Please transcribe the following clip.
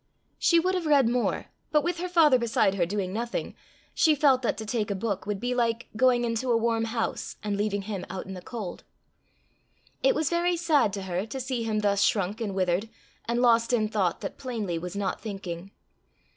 She would have read more, but with her father beside her doing nothing, she felt that to take a book would be like going into a warm house, and leaving him out in the cold. It was very sad to her to see him thus shrunk and withered, and lost in thought that plainly was not thinking.